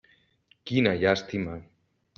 Quina llàstima.